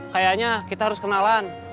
kayaknya kita harus kenalan